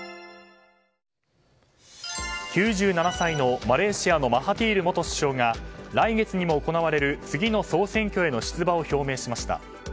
９７歳のマレーシアのマハティール元首相が来月にも行われる次の総選挙への出馬を表明しました。